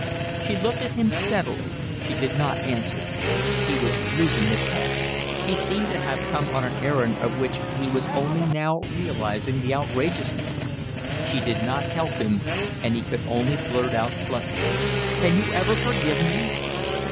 She looked at him steadily. She did not answer. He was losing his head; he seemed to have come on an errand of which he was only now realising the outrageousness. She did not help him, and he could only blurt out bluntly. "Can you ever forgive me?"